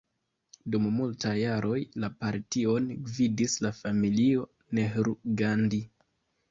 Dum multaj jaroj, la partion gvidis la familio Nehru-Gandhi.